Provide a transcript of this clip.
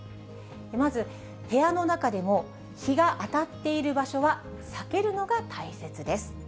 まず、部屋の中でも日が当たっている場所は避けるのが大切です。